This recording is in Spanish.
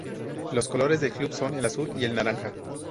Los colores del club son el azul y el naranja.